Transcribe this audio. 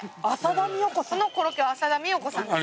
このコロッケ浅田美代子さんですか？